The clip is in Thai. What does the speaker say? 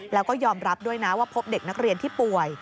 แล้วก็ยอมรับด้วยนะว่าพบเด็กนักเรียนที่ป่วย